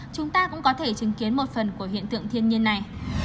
chúng ta cũng có thể chứng kiến một phần của hiện tượng thiên nhiên này